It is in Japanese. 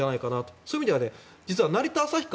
そういう意味では成田旭川